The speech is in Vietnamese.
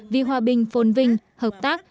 vì hòa bình phồn vinh hợp tác